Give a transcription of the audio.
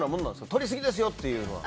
とりすぎですよっていうのは？